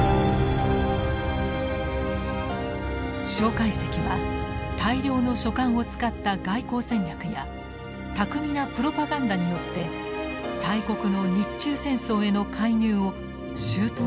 介石は大量の書簡を使った外交戦略や巧みなプロパガンダによって大国の日中戦争への介入を周到に引き出そうとしていました。